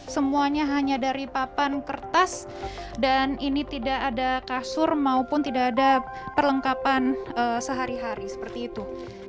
semuanya hanya dari papan kertas dan ini tidak ada kasur maupun tidak ada perlengkapan sehari hari seperti itu